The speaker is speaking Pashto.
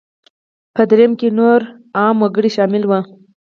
په درېیم کې نور عام وګړي شامل وو.